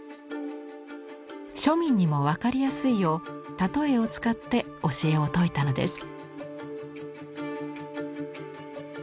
庶民にも分かりやすいよう例えを使って教えを説いたのです。